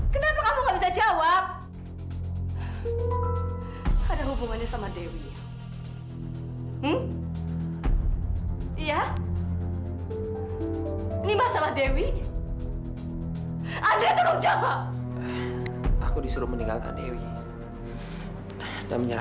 kamu lihat mama kamu ditelur setiap hari